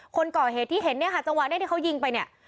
คนก่อเหตุที่เห็นเนี่ยค่ะจังหวะนี้ที่เขายิงไปเนี่ย